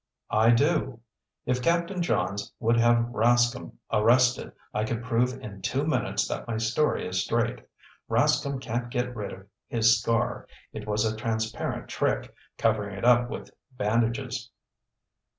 "I do. If Captain Johns would have Rascomb arrested, I could prove in two minutes that my story is straight. Rascomb can't get rid of his scar. It was a transparent trick, covering it up with bandages."